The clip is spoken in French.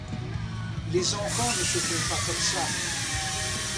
Les enfants ne se font pas comme ça.